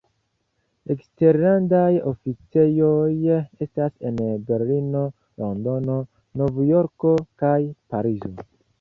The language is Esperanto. Eksterlandaj oficejoj estas en Berlino, Londono, Novjorko kaj Parizo.